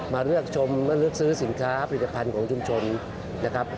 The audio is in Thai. มาเลือกชมและเลือกซื้อสินค้าผลิตภัณฑ์ของชุมชนนะครับ